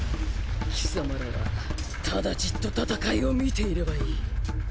キサマらはただじっと戦いを見ていればいい。